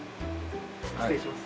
失礼します。